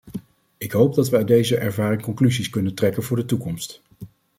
Ik hoop dat we uit deze ervaring conclusies kunnen trekken voor de toekomst.